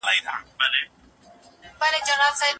پښتون د کار او زحمت ایستلو سړی دی.